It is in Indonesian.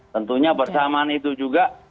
tentunya persamaan itu juga